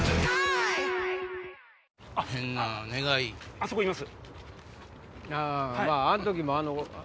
あそこいます！